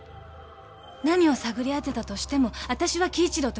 何を探り当てたとしてもあたしは輝一郎と結婚する。